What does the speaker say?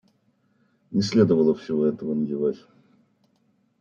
Не следовало всего этого надевать.